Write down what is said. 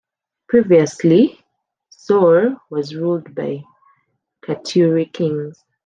Previously, Saur was ruled by Katyuri Kings.